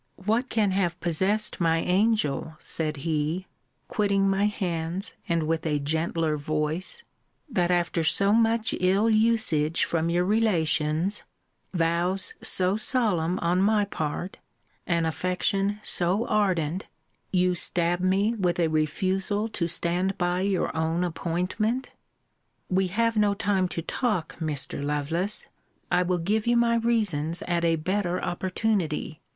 What can have possessed my angel, said he [quitting my hands, and with a gentler voice] that after so much ill usage from your relations; vows so solemn on my part; an affection so ardent; you stab me with a refusal to stand by your own appointment? We have no time to talk, Mr. Lovelace. I will give you my reasons at a better opportunity.